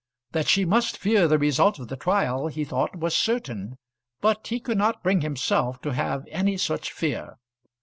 That she must fear the result of the trial, he thought, was certain, but he could not bring himself to have any such fear.